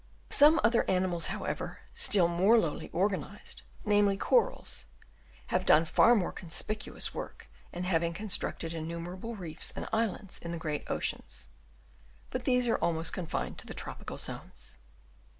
Some other animals, however, still more lowly organised, namely corals, have done far more conspicuous work in having constructed innumerable reefs and islands in the great oceans ; but these are almost confined to the tropical zones.